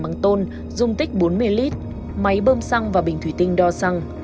cây xăng mini được làm bằng tôn dung tích bốn mươi lit máy bơm xăng và bình thủy tinh đo xăng